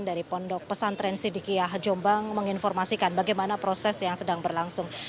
dari pondok pesantren sidikiyah jombang menginformasikan bagaimana proses yang sedang berlangsung